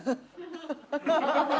「ハハハハ！